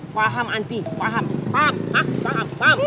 faham anti faham faham